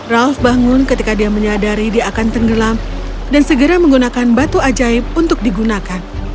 ralf bangun ketika dia menyadari dia akan tenggelam dan segera menggunakan batu ajaib untuk digunakan